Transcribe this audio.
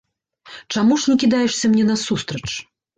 Чаму ж не кідаешся мне насустрач?